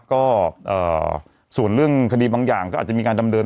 ก็ส่วนเรื่องคดีบางอย่างก็อาจจะมีการดำเนิน